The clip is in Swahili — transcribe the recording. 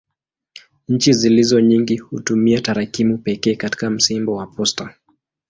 Nchi zilizo nyingi hutumia tarakimu pekee katika msimbo wa posta.